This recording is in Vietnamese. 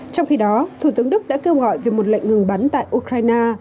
trong khi đó thủ tướng đức đã kêu gọi về một lệnh ngừng bắn tại ukraine